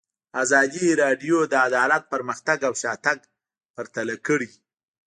ازادي راډیو د عدالت پرمختګ او شاتګ پرتله کړی.